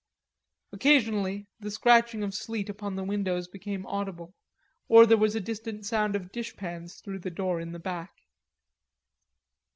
Occasionally the scratching of sleet upon the windows became audible, or there was a distant sound of dish pans through the door in the back.